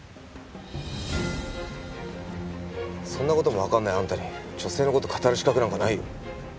そんな事もわかんないあんたに女性の事を語る資格なんかないよ。